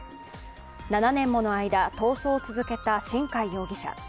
７年もの間、逃走を続けた新海容疑者。